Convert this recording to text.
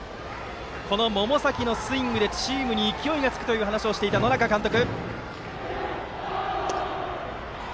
この百崎のスイングでチームに勢いがつくと話をしていた、野仲監督。